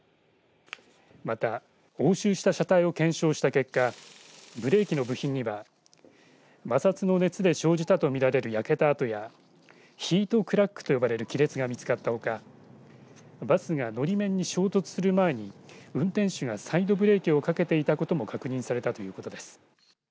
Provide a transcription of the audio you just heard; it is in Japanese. また、押収した車体を検証した結果ブレーキの部品には摩擦の熱で生じたと見られる焼けた跡やヒートクラックと呼ばれる亀裂が見つかったほかバスがのり面に衝突する前に運転手がサイドブレーキをかけていたことも確認されたということです。